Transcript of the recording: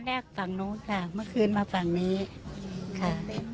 ตอนแรกฝั่งโน้นค่ะมักคืนมาฝั่งนี้ค่ะ